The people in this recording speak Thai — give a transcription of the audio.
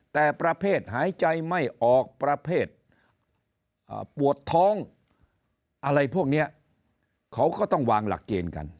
แต่ประเภทหายใจไม่ออกประเภทปวดท้องอะไรพวกนี้เขาก็ต้องวางหลักเกณฑ์กัน